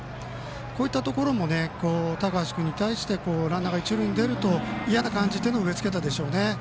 こういったところも高橋君に対してランナーが一塁に出ると嫌な感じを植えつけたでしょうね。